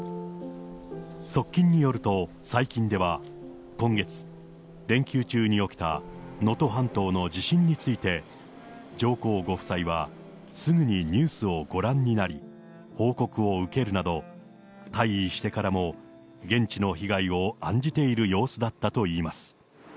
側近によると、最近では今月、連休中に起きた能登半島の地震について、上皇ご夫妻はすぐにニュースをご覧になり、報告を受けるなど、退位してからも、現地の被害を案じている様子だったといいます。